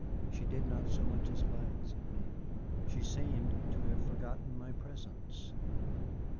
She did not so much as glance at me. She seemed to have forgotten my presence.